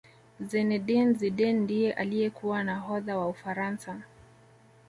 zinedine zidane ndiye aliyekuwa nahodha wa ufaransa